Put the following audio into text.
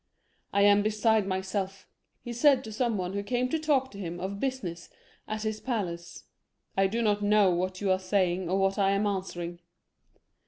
" I am beside myself," he said to some one who came to talk to him of business at his palace ;" I do not know what you are saying or what I am answering."